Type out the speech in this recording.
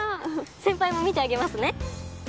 先輩も見てあげますね。